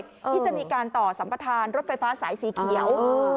ที่จะมีการต่อสัมประธานรถไฟฟ้าสายสีเขียว